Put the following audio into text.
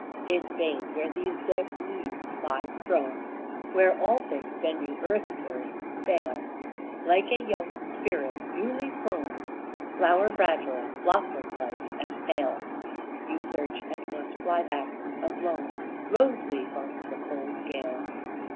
In vain where these dead leaves lie strown Where all things, bending earthward, fail, Like a young spirit newly flown, Flower fragile, blossom like and pale, You search; and must fly back, a blown Rose leaf on the cold gale.